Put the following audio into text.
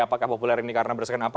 apakah populer ini karena berdasarkan apa